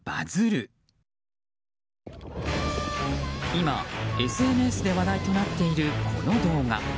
今、ＳＮＳで話題となっているこの動画。